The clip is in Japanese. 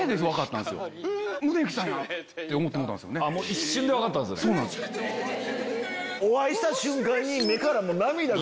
一瞬で分かったんですか。